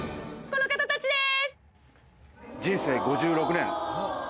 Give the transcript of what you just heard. この方たちです！